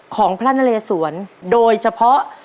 ของพระนเลสวนโดยเฉพาะ